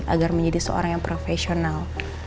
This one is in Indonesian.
agar menjadi seorang yang profesional